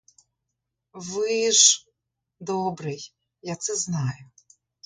Ви ж — добрий, я це знаю.